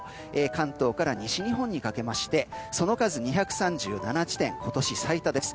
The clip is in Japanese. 関東から西日本にかけましてその数２３７地点今年最多です。